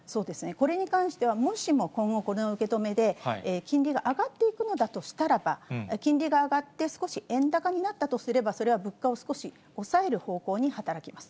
これに関しては、もしも今後、この受け止めで金利が上がっていくのだとしたらば、金利が上がって少し円高になったとすれば、それは物価を少し抑える方向に働きます。